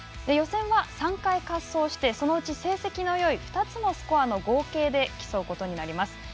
予選は３回滑走してそのうち成績のよい２つのスコアの合計で競うことになります。